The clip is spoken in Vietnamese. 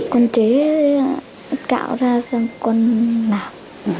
con chế cạo ra xem con làm